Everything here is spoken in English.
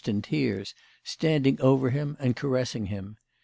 207 in tears, standing over him and caressing him.